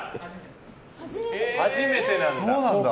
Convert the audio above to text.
初めてなんだ。